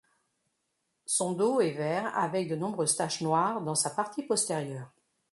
Son dos est vert avec de nombreuses taches noires dans sa partie postérieure.